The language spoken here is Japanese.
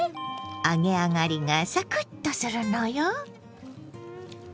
揚げ上がりがサクッとするのよ。